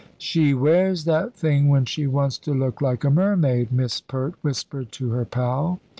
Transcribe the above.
"She wears that thing when she wants to look like a mermaid," Miss Pert whispered to her pal.